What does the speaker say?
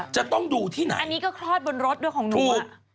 คุณยากแล้วอันนี้ก็คลอดบนรถด้วยของหนูจะต้องดูที่ไหน